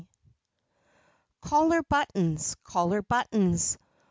C ollar buttons! Collar buttons!